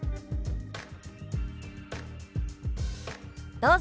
どうぞ。